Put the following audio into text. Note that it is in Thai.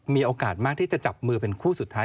มีโอกาสมากที่จะจับมือเป็นคู่สุดท้าย